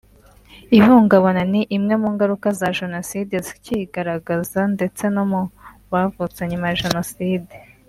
Ihungabana ni imwe mu ngaruka za Jenoside zikigaragaza ndetse no mu bavutse nyuma ya jenoside